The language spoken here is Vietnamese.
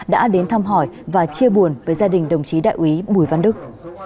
đã đến thăm hỏi và chia buồn với gia đình đồng chí đại quý bùi văn đức